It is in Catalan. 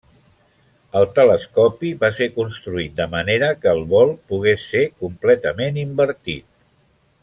El telescopi va ser construït de manera que el bol pogués ser completament invertit.